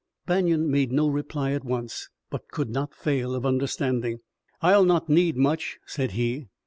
Banion made no reply at once, but could not fail of understanding. "I'll not need much," said he.